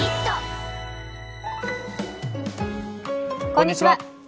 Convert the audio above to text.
こんにちは。